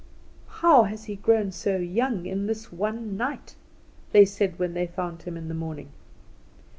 "How has he grown so young in this one night?" they said when they found him in the morning.